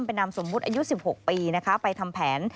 ไปนำสมมุติอายุ๑๖ปีไปทำแผน